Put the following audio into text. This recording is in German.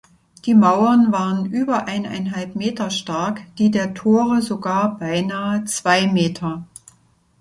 Die Mauern waren über eineinhalb Meter stark, die der Tore sogar beinahe zwei Meter.